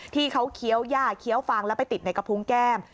ที่เขาเคี้ยวย่าเคี้ยวฟางแล้วไปติดในกระพุงแก้ม